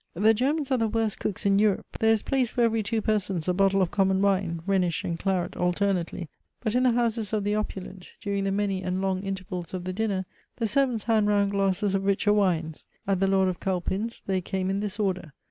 The Germans are the worst cooks in Europe. There is placed for every two persons a bottle of common wine Rhenish and Claret alternately; but in the houses of the opulent, during the many and long intervals of the dinner, the servants hand round glasses of richer wines. At the Lord of Culpin's they came in this order.